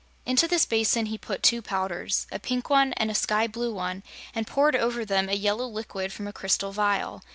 Into this basin he put two powders a pink one and a sky blue one and poured over them a yellow liquid from a crystal vial.